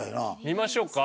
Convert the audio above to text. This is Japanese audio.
見ましょうか？